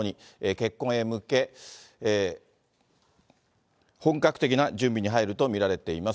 結婚へ向け、本格的な準備に入ると見られています。